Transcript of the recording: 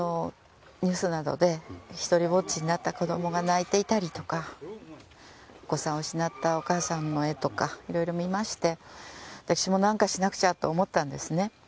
ニュースなどで独りぼっちになった子供が泣いていたりとかお子さんを失ったお母さんとかいろいろ見まして私も何かしなくちゃと思ったんですね。